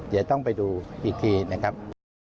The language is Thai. จะต้องไปดูอีกทีนะครับ